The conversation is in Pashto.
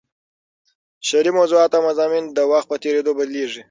شعري موضوعات او مضامین د وخت په تېرېدو بدلېږي.